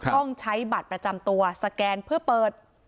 ต้องใช้บัตรประจำตัวสแกนเพื่อเปิด